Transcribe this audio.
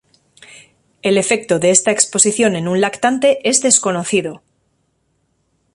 El efecto de esta exposición en un lactante es desconocido.